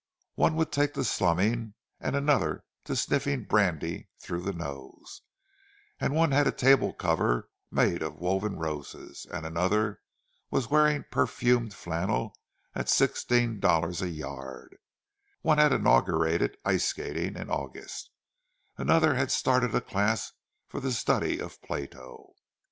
One would take to slumming and another to sniffing brandy through the nose; one had a table cover made of woven roses, and another was wearing perfumed flannel at sixteen dollars a yard; one had inaugurated ice skating in August, and another had started a class for the study of Plato.